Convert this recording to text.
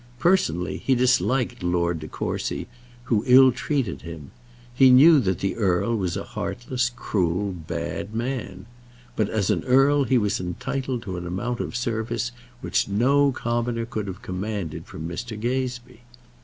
Personally, he disliked Lord De Courcy, who ill treated him. He knew that the earl was a heartless, cruel, bad man. But as an earl he was entitled to an amount of service which no commoner could have commanded from Mr. Gazebee.